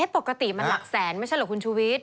ปกติมันหลักแสนไม่ใช่เหรอคุณชุวิต